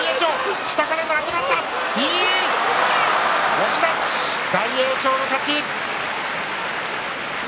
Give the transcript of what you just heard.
押し出し、大栄翔の勝ち。